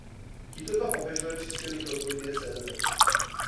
Tito dva papežové přispěli k rozvoji diecéze.